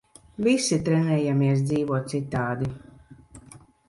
Visi trenējamies dzīvot citādi.